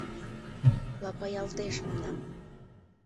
— Лапаялтеш, манам...